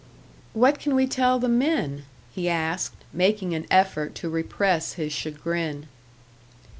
"What can we tell the men?" he asked, making an effort to repress his chagrin.